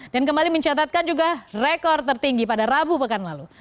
dan kembali mencatatkan juga rekor tertinggi pada rabu pekan lalu